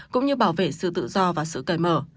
cũng như bảo vệ sự tự do và sự cởi mở